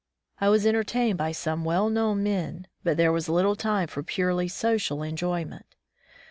I was entertained by some well known men, but there was little time for purely social en joyment.